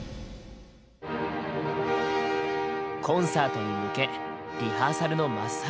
コンサートに向けリハーサルの真っ最中だ。